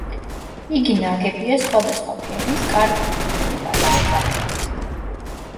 იგი ნაგებია სხვადასხვა ფერის, კარგად თლილი პატარა კვადრებით.